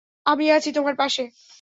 আমি আছি তোমার পাশে!